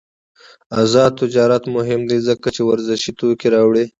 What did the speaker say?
آزاد تجارت مهم دی ځکه چې ورزشي توکي راوړي.